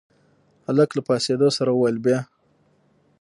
هلک له پاڅېدو سره وويل بيا.